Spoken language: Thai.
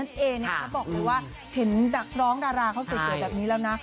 อันนี้แน็ตบอกเลยว่าเห็นดักร้องดาราเขาสู่ฅวิวแบบนี้แล้วนะ